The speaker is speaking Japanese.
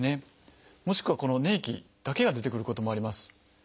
もしくはこの粘液だけが出てくることもあります。